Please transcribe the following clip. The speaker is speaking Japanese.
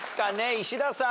石田さん。